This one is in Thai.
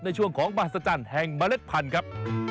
ในช่วงของมหัศจรรย์แห่งเมล็ดพันธุ์ครับ